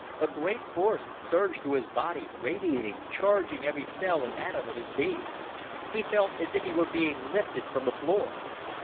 A great force surged through his body, radiating, charging every cell and atom of his being. He felt as if he were being lifted from the floor.